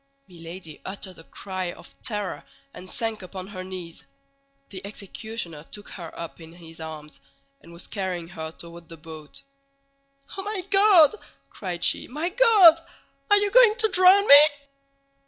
Milady uttered a cry of terror and sank upon her knees. The executioner took her up in his arms and was carrying her toward the boat. "Oh, my God!" cried she, "my God! are you going to drown me?"